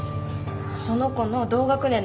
その子の同学年の男子。